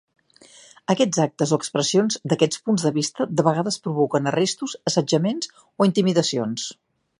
Aquests actes o expressions d'aquests punts de vista de vegades provoquen arrestos, assetjaments o intimidacions.